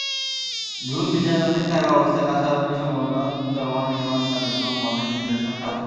Rule বিচারাধীন থাকা অবস্থায় কাছারিবাড়ি-সংলগ্ন চলমান নির্মাণ কার্যক্রম বন্ধের নির্দেশনা চাওয়া হয়েছে।